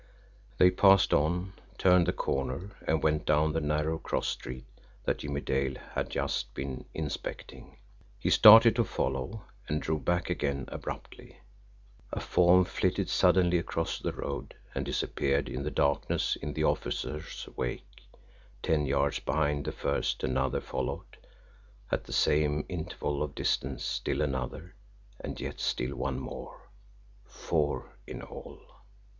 They passed on, turned the corner, and went down the narrow cross street that Jimmie Dale had just been inspecting. He started to follow and drew back again abruptly. A form flitted suddenly across the road and disappeared in the darkness in the officers' wake ten yards behind the first another followed at the same interval of distance still another and yet still one more four in all.